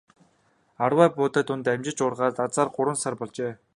Арвай буудай дунд амжиж ургаад азаар гурван сар болжээ.